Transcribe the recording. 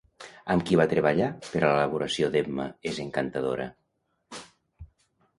Amb qui va treballar per a l'elaboració d'Emma és encantadora?